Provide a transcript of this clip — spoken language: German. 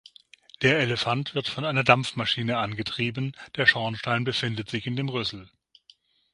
Der Elefant wird von einer Dampfmaschine angetrieben, der Schornstein befindet sich in dem Rüssel.